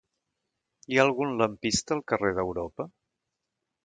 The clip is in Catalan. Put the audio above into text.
Hi ha algun lampista al carrer d'Europa?